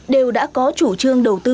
đều đã có chủ trương đầu tư